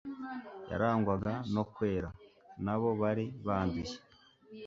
Yarangwaga no kwera, naho bo bari banduye.